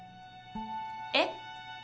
えっ？